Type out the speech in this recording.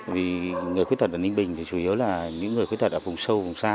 vì người khuyết tật ở ninh bình thì chủ yếu là những người khuyết tật ở vùng sâu vùng xa